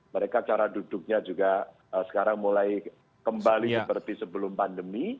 mereka cara duduknya juga sekarang mulai kembali seperti sebelum pandemi